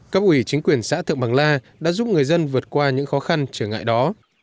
cấp ủy chính quyền xã thượng bằng la đã giúp người dân vượt qua những khó khăn trở ngại đó